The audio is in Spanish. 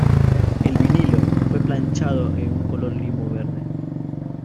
El vinilo fue planchado en un color limo verde.